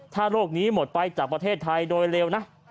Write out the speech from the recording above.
ถ้าโรคนี้หมดไปจากประเทศไทยโดยเร็วนะ